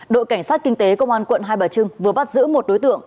đội cảnh sát kinh tế công an quận hai bà trưng vừa bắt giữ một đối tượng